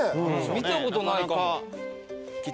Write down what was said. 見たことないかも。